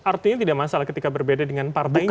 artinya tidak masalah ketika berbeda dengan partai